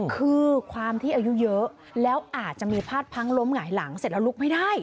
คือความที่อายุเยอะแล้วอาจจะมีพลาดพังล้มหงายหลังเสร็จแล้วลุกไม่ได้